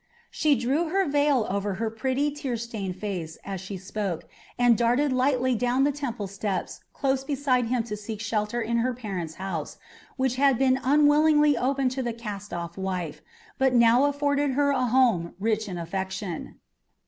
She drew her veil over her pretty, tear stained face as she spoke, and darted lightly down the temple steps close beside him to seek shelter in her parents' house, which had been unwillingly opened to the cast off wife, but now afforded her a home rich in affection.